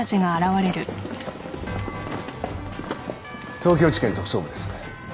東京地検特捜部です。